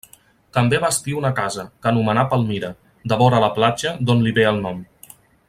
També bastí una casa, que anomenà Palmira, devora la platja, d'on li ve el nom.